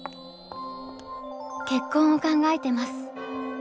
結婚を考えてます。